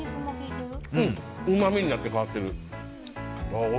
うまみになって変わってる。